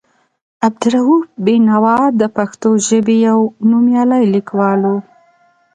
عبدالرؤف بېنوا د پښتو ژبې یو نومیالی لیکوال و.